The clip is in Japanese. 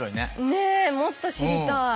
ねえもっと知りたい。